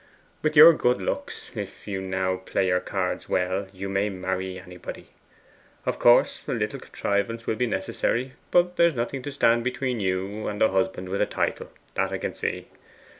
With your good looks, if you now play your cards well, you may marry anybody. Of course, a little contrivance will be necessary; but there's nothing to stand between you and a husband with a title, that I can see.